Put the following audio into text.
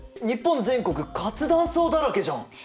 日本全国活断層だらけじゃん！